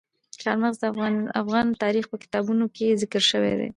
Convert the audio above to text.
چار مغز د افغان تاریخ په کتابونو کې ذکر شوی دي.